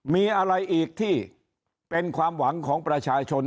มีอะไรอีกที่เป็นความหวังของประชาชน